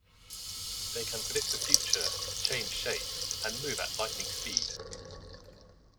They can predict the future, change shape, and move at lightning speed.